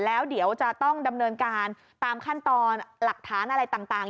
แล้วเดี๋ยวจะต้องดำเนินการตามขั้นตอนหลักฐานอะไรต่าง